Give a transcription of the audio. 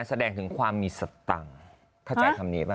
แสดงถึงความมีสตังค์เข้าใจคำนี้ป่